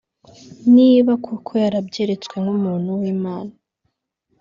Niba koko yarabyeretswe nk’umuntu w’Imana